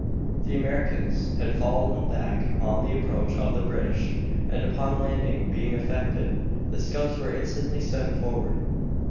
The Americans had fallen back on the approach of the British, and upon the landing being effected, the scouts were instantly sent forward.